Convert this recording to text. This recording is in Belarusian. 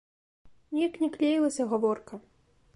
Неяк не клеілася гаворка.